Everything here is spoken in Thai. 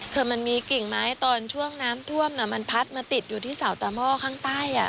คือมันมีกิ่งไม้ตอนช่วงน้ำท่วมมันพัดมาติดอยู่ที่เสาตาหม้อข้างใต้